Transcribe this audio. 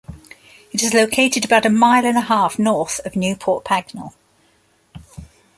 It is located about a mile and a half north of Newport Pagnell.